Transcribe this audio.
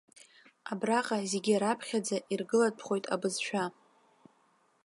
Абраҟа зегьы раԥхьаӡа иргылатәхоит абызшәа.